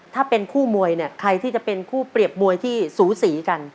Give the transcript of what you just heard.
ถ้าเป็นคู่มวยเนี่ยใครที่จะเป็นคู่เปรียบมวยที่สูสีกัน